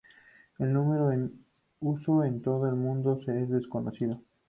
El número en uso en todo el mundo es desconocido.